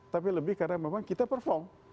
tapi lebih karena memang kita perform